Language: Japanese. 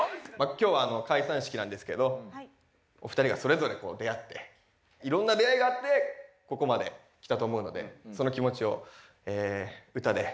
今日は解散式なんですけどお二人がそれぞれこう出会っていろんな出会いがあってここまで来たと思うのでその気持ちを歌で。